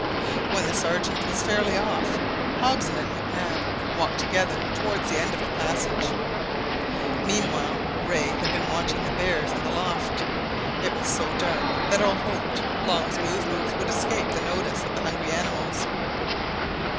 When the Sergeant was fairly off, Hobson and Mac Nab walked together towards the end of the passage. Meanwhile Rae had been watching the bears and the loft. It was so dark that all hoped Long's movements would escape the notice of the hungry animals.